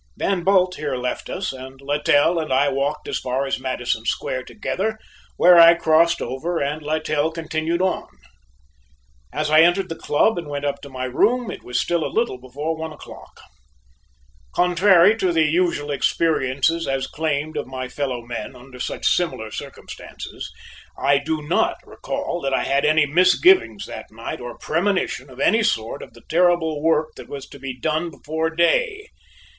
Van Bult here left us, and Littell and I walked as far as Madison Square together, where I crossed over and Littell continued on. As I entered the club and went up to my room, it was still a little before one o'clock. Contrary to the usual experiences as claimed of my fellow men under similar circumstances, I do not recall that I had any misgivings that night or premonition of any sort of the terrible work that was to be done before day.